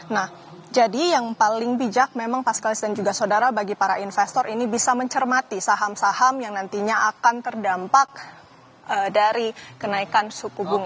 nah jadi yang paling bijak memang pascalis dan juga saudara bagi para investor ini bisa mencermati saham saham yang nantinya akan terdampak dari kenaikan suku bunga